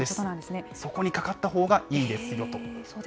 そこにかかったほうがいいですよと。